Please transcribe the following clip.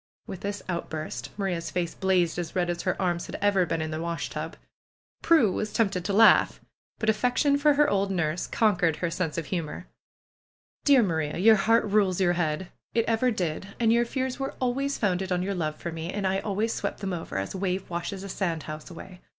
With this outburst, Maria's face blazed as red as her arms had ever been in the washtub. Prue was tempted to laugh. But affection for her old nurse conquered her sense of humor. 190 PRUE'S GARDENER ^^Dear Maria ! Your heart rules your head ! It ever did. And your fears were always founded on your love for me, and I always swept them over, as a wave washes a sand house away.